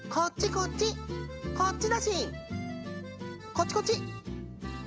こっちこっち！